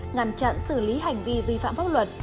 ngăn chặn xử lý hành vi vi phạm pháp luật